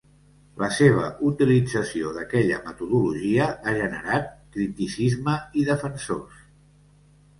La seva utilització d"aquella metodologia ha generat criticisme i defensors.